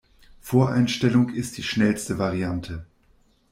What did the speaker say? Voreinstellung ist die schnellste Variante.